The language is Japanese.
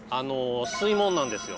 水門なんですよ。